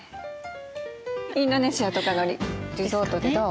インドネシアとかのリゾートでどう？